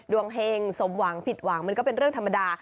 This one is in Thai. เฮงสมหวังผิดหวังมันก็เป็นเรื่องธรรมดา